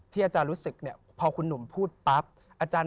ที่บางอย่างมันติดขัด